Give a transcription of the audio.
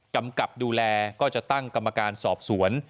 กำกับดูแลก็จะตั้งกรรมการสอบสวน